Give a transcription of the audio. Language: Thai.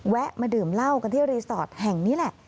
มาดื่มเหล้ากันที่รีสอร์ทแห่งนี้แหละ